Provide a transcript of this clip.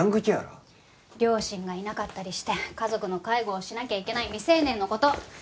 両親がいなかったりして家族の介護をしなきゃいけない未成年の事。